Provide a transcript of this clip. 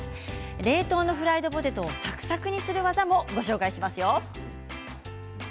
冷凍のフライドポテトをサクサクにする技も紹介しますよ。